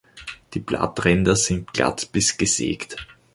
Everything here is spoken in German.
Die Blattränder sind glatt bis gesägt.